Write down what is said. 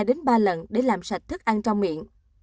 đến ba lần để làm sạch thức ăn cho miệng